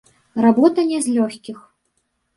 Работа не з лёгкіх.